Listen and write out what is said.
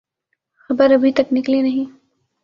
خبر ابھی تک نکلی نہیں۔